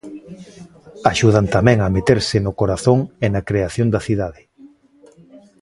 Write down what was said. Axudan tamén a meterse no corazón e na creación da cidade.